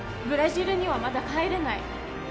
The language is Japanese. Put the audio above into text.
ブラジルにはまだ帰れない